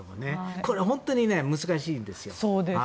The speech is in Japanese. これは本当に難しいんですよ。